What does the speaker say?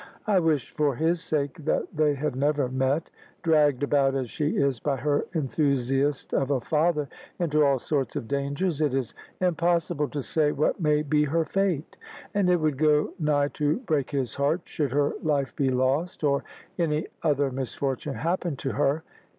"I wish for his sake that they had never met. Dragged about as she is by her enthusiast of a father into all sorts of dangers, it is impossible to say what may be her fate; and it would go nigh to break his heart should her life be lost, or any other misfortune happen to her.